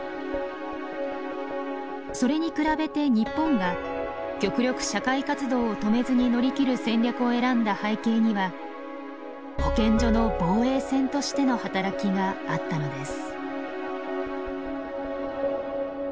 それに比べて日本が極力社会活動を止めずに乗り切る戦略を選んだ背景には保健所の防衛線としての働きがあったのです。